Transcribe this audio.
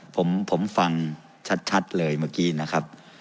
ผมฟังชัดเลยเมื่อกี้นะครับ